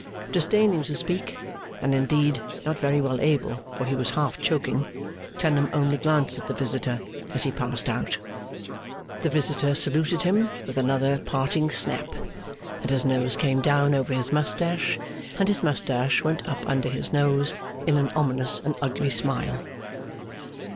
Disdaining to speak, and indeed not very well able, for he was half choking, Clennam only glanced at the visitor as he passed out. The visitor saluted him with another parting snap, and his nose came down over his moustache and his moustache went up under his nose, in an ominous and ugly smile.